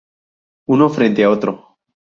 Uno frente a otro.